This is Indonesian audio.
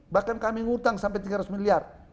bahkan kami ngutang sampai tiga ratus miliar